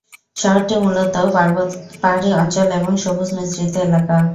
শহরটি মূলত পাহাড়ী অঞ্চল এবং সবুজ মিশ্রিত এলাকা।